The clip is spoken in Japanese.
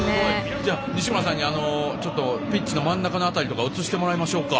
じゃあ西村さんにピッチの真ん中の辺りとかを映してもらいましょうか。